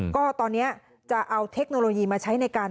ก็ตอนนี้จะเอาเทคโนโลยีมาใช้ในการ